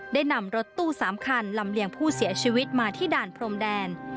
ได้นำรถตู้๓คันลำเลียงผู้เสียชีวิตมาที่ด่านพรมแดน